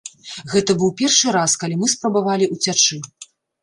Гэта быў першы раз, калі мы спрабавалі ўцячы.